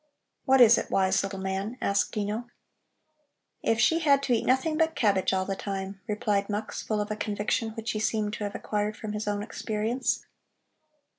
"What is it, wise little man?" asked Dino. "If she had to eat nothing but cabbage all the time," replied Mux, full of a conviction which he seemed to have acquired from his own experience.